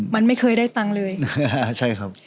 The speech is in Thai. มันไม่เคยได้ตังค์เลยใช่ครับ